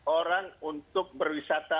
orang untuk berwisata